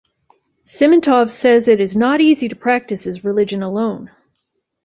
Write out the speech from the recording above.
Simintov says it is not easy to practice his religion alone.